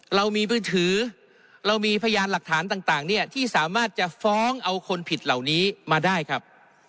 เรามีมือถือเรามีพยานหลักฐานต่างเนี่ยที่สามารถจะฟ้องเอาคนผิดเหล่านี้มาได้ครับ